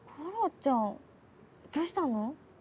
ちゃんどうしたの？